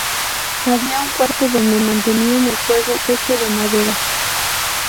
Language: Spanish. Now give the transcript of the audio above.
Había un cuarto donde mantenían el fuego, hecho de madera.